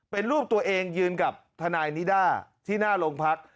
เป็นรูปตัวเองยืนกับทนายนิด้าที่หน้าโรงพัก